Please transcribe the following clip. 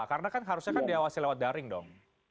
karena kan harusnya diawasi lewat daring dong